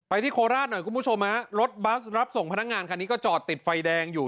ที่โคราชหน่อยคุณผู้ชมฮะรถบัสรับส่งพนักงานคันนี้ก็จอดติดไฟแดงอยู่